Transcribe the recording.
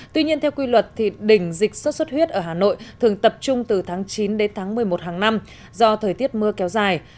tuy nhiên theo quy luật đỉnh dịch sốt xuất huyết ở hà nội thường tập trung từ tháng chín đến tháng một mươi một hàng năm do thời tiết mưa kéo dài